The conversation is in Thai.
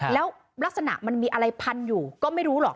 แล้วลักษณะมันมีอะไรพันอยู่ก็ไม่รู้หรอก